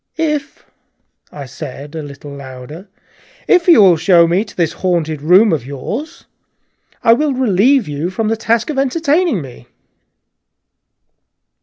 "If," I said, a little louder, "if you will show me to this haunted room of yours, I will relieve you from the task of entertaining me."